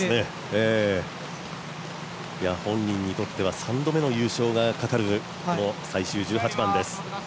本人にとっては３度目の優勝がかかる最終１８番です。